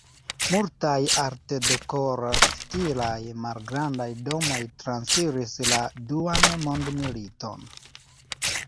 Multaj Artdekor-stilaj malgrandaj domoj transiris la Duan Mondmiliton.